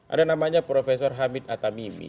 ada namanya profesor hamid atamimi